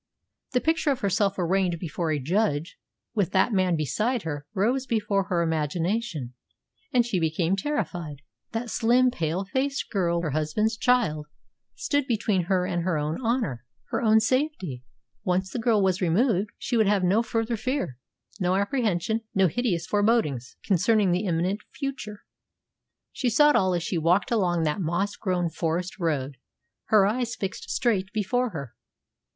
The picture of herself arraigned before a judge, with that man beside her, rose before her imagination, and she became terrified. That slim, pale faced girl, her husband's child, stood between her and her own honour, her own safety. Once the girl was removed, she would have no further fear, no apprehension, no hideous forebodings concerning the imminent future. She saw it all as she walked along that moss grown forest road, her eyes fixed straight before her.